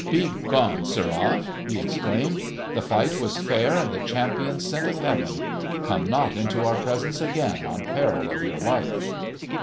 "Begone, sirrah!" he exclaimed. "The fight was fair and the champion sent of Heaven. Come not into our presence again on peril of your life!"